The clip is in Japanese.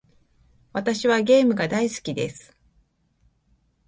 私はゲームが大好きです。